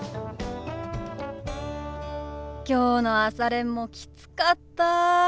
きょうの朝練もきつかった。